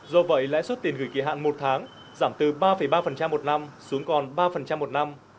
do vậy lãi suất tiền gửi kỳ hạn một tháng giảm từ ba ba một năm xuống còn ba một năm